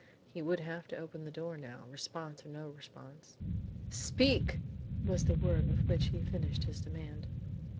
He would have to open the door now, response or no response. "Speak!" was the word with which he finished his demand.